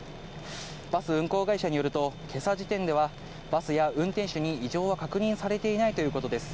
バス運行会社によると、けさ時点ではバスや運転手に異常は確認されていないということです。